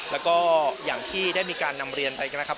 แล้วก็อย่างที่ได้มีการนำเรียนไปกันนะครับ